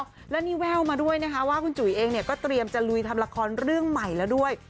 แล้วนี่แว่วมาด้วยนะคะว่าคุณจุ๋ยเองเนี่ยก็เตรียมจะลุยทำละครเรื่องใหม่แล้วด้วย